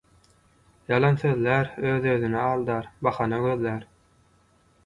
ýalan sözlär, öz özüni aldar, bahana gözlär.